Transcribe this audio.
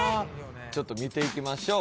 ちょっと見ていきましょう